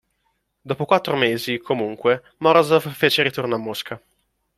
Dopo quattro mesi, comunque, Morozov fece ritorno a Mosca.